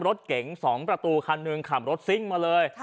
รถเก๋ง๒ประตูคันหนึ่งขับรถซิ่งมาเลย